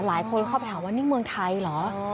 หลายคนเข้าไปถามว่านี่เมืองไทยเหรอ